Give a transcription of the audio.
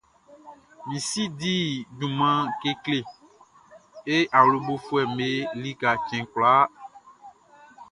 Min si di junman kekle e awlobofuɛʼm be lika cɛn kwlakwla.